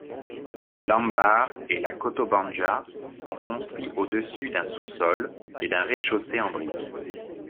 L'ambar et la kotobanja sont construits au-dessus d'un sous-sol et d'un rez-de-chaussée en briques.